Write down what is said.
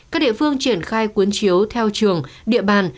các địa phương triển khai cuốn chiếu theo trường địa bàn